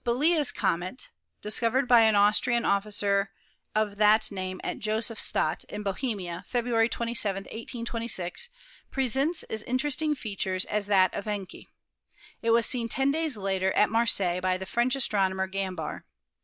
Biela's comet, discovered by an Austrian officer of that name at Josephstadt, in Bohemia, February 27, 1826, pre sents as interesting features as that of Encke. It was seen ten days later at Marseilles by the French astronomer Gambart.